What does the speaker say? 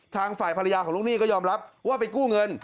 ทางฝ่ายภรรยาของลูกหนี้ก็ยอมรับว่าไปกู้เงิน